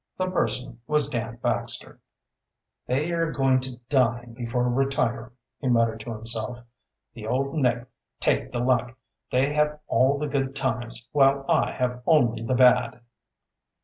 The person was Dan Baxter. "They are going to dine before retiring," he muttered to himself. "The Old Nick take the luck! They have all the good times, while I have only the bad!"